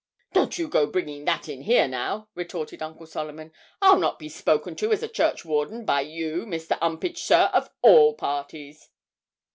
'Don't you go bringing that in here, now!' retorted Uncle Solomon. 'I'll not be spoken to as a churchwarden by you, Mr. 'Umpage, sir, of all parties!'